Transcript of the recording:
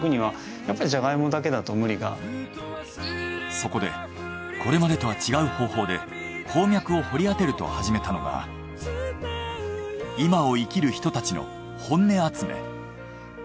そこでこれまでとは違う方法で鉱脈を掘り当てると始めたのが今を生きる人たちの本音集め。